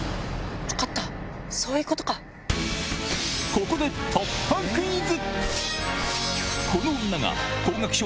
ここで突破クイズ！